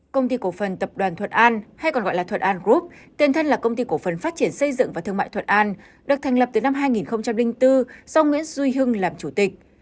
công ty cổ phần tập đoàn thuật an hay còn gọi là thuật an group tiền thân là công ty cổ phần phát triển xây dựng và thương mại thuật an được thành lập từ năm hai nghìn bốn sau nguyễn duy hưng làm chủ tịch